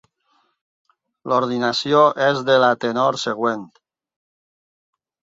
L'ordinació és de la tenor següent.